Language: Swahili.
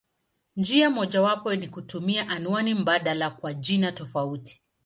Njia mojawapo ni kutumia anwani mbadala kwa jina tofauti.